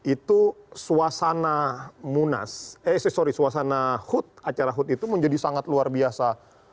itu suasana hut itu menjadi sangat luar biasa